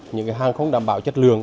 những cái hàng không đảm bảo chất lượng